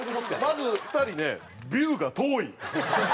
まず２人ねビューが遠い。